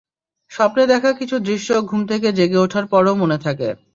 স্বপ্নে দেখা কিছু দৃশ্য ঘুম থেকে জেগে ওঠার পরও মনে থাকে।